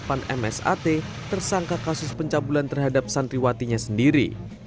ketika penangkapan msat tersangka kasus pencabulan terhadap santriwatinya sendiri